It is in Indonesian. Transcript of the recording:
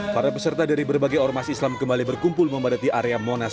para peserta dari berbagai ormas islam kembali berkumpul memadati area monas